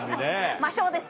魔性です